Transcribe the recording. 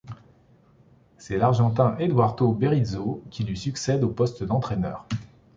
C'est l'Argentin Eduardo Berizzo qui lui succède au poste d'entraîneur.